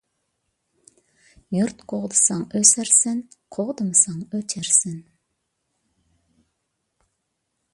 يۇرت قوغدىساڭ ئۆسەرسەن . قوغدىمىساڭ ئۆچەرسەن.